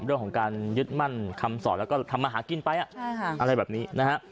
เรื่องของการยึดมั่นคำสอนแล้วก็ทำมาหากินไปอะไรแบบนี้นะฮะ